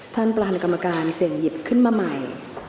ท่านประหลากรรมการมีเสียงหยิบขึ้นมาใหม่